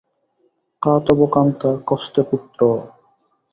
কা তব কান্তা, কস্তে পুত্রঃ!